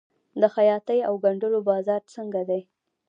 د خیاطۍ او ګنډلو بازار څنګه دی؟